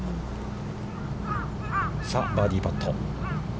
バーディーパット。